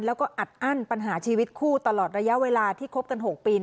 แล้วก็อัดอั้นปัญหาชีวิตคู่ตลอดระยะเวลาที่คบกัน๖ปี